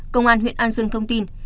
công an huyện an dương thông tin